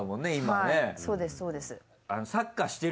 はいそうですそうです。